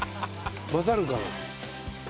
混ざるかな？